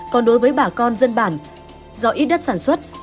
còn đối với bà con dân bản do ít đất sản xuất